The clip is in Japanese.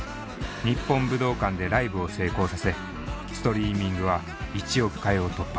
日本武道館でライブを成功させストリーミングは１億回を突破。